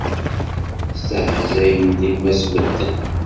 Stehzayen dima s medden.